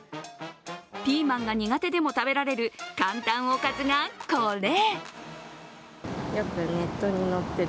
ピーマンが苦手でも食べられる簡単おかずが、これ。